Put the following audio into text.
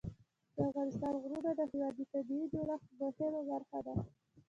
د افغانستان غرونه د هېواد د طبیعي جوړښت مهمه برخه ده.